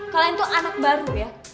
kalian tuh anak baru ya